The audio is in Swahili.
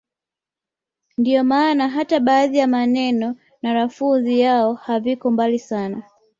Ndio maana hata baadhi ya maneno na lafudhi yao haviko mbali sana